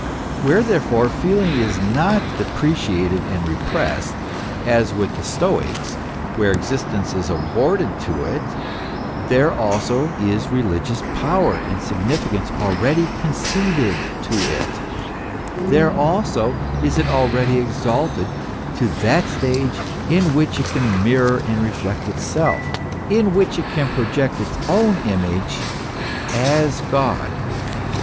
Where, therefore, feeling is not depreciated and repressed, as with the Stoics, where existence is awarded to it, there also is religious power and significance already conceded to it, there also is it already exalted to that stage in which it can mirror and reflect itself, in which it can project its own image as God.